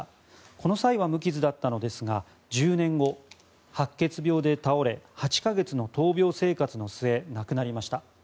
この際は無傷だったのですが１０年後、白血病で倒れ８か月の闘病生活の末亡くなりました。